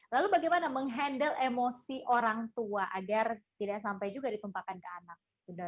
lalu bagaimana menghandle emosi orang tua agar tidak sampai juga ditumpahkan ke anak